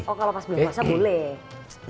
oh kalau pas bulan puasa boleh